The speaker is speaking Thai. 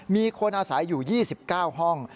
มีคนอาศัยอยู่๒๙ห้อง